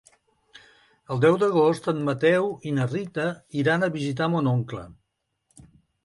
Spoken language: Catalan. El deu d'agost en Mateu i na Rita iran a visitar mon oncle.